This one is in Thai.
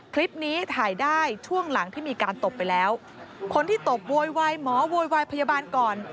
คลิปนี้ถ่ายได้ช่วงหลังที่มีการตบไปแล้วคนที่ตบโวยวายหมอโวยวายพยาบาลก่อน